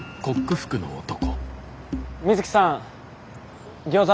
水木さんギョーザ